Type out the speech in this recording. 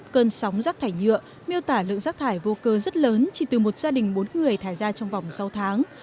cơn sóng rác thải nhựa miêu tả lượng rác thải vô cơ rất lớn chỉ từ một gia đình bốn người thải ra trong vòng sáu tháng